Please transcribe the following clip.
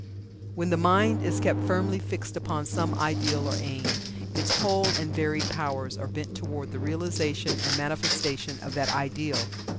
When the mind is kept firmly fixed upon some ideal or aim, its whole and varied powers are bent toward the realization and manifestation of that ideal.